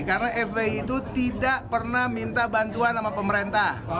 karena fpi itu tidak pernah minta bantuan sama pemerintah